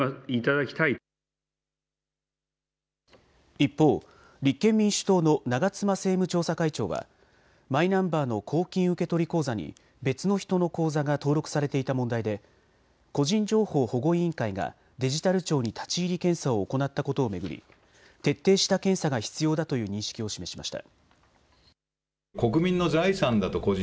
一方、立憲民主党の長妻政務調査会長はマイナンバーの公金受取口座に別の人の口座が登録されていた問題で個人情報保護委員会がデジタル庁に立ち入り検査を行ったことを巡り徹底した検査が必要だという認識を示しました。